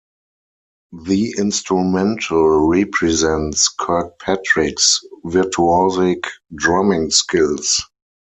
The instrumental represents Kirkpatrick's virtuoisic drumming skills.